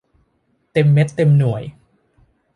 เต็มเม็ดเต็มหน่วย